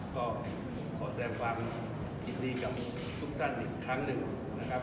ก็ขอแสดงความยินดีกับทุกท่านอีกครั้งหนึ่งนะครับ